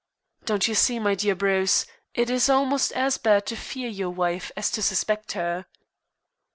Don't you see, my dear Bruce, it is almost as bad to fear your wife as to suspect her.